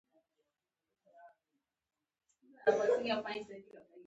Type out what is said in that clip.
دښته د آزاد فکر ځای ده.